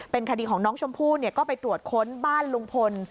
คดีของน้องชมพู่ก็ไปตรวจค้นบ้านลุงพล